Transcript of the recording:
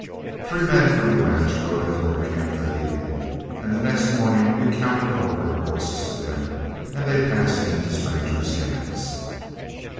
Three men from the ranch rode into our camp that evening, and the next morning we counted over our horses to them and they passed into strangers' hands.